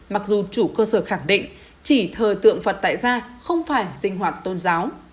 mặc dù chủ cơ sở khẳng định chỉ thờ tượng phật tại ra không phải sinh hoạt tôn giáo